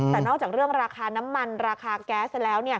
แต่นอกจากเรื่องราคาน้ำมันราคาแก๊สแล้ว